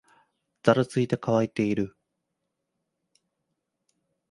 ざらついていて、乾いている